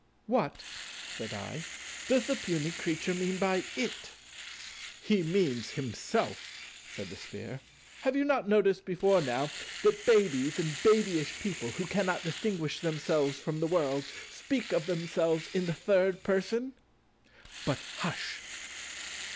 "What," said I, "does the puny creature mean by 'it'?" "He means himself," said the Sphere: "have you not noticed before now, that babies and babyish people who cannot distinguish themselves from the world, speak of themselves in the Third Person? But hush!"